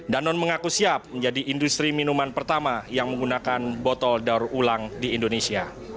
danon mengaku siap menjadi industri minuman pertama yang menggunakan botol daur ulang di indonesia